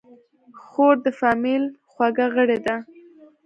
خور د فامیل خوږه غړي ده.